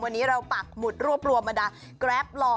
วันนี้เราปักหมุดรวบมาดักแกรปหล่อ